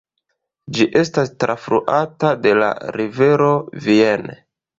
Ĝi estas trafluata de la rivero Vienne.